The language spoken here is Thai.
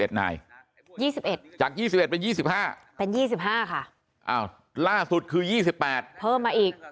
๒นาย๒๑จาก๒๑เป็น๒๕เป็น๒๕ค่ะอ้าวล่าสุดคือ๒๘เพิ่มมาอีก